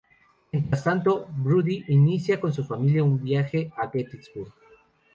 Mientras tanto, Brody inicia con su familia un viaje a Gettysburg.